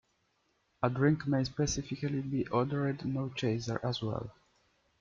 A drink may specifically be ordered "no chaser" as well.